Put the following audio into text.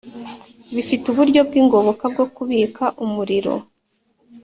bifite uburyo bw ingoboka bwo kubika umuriro.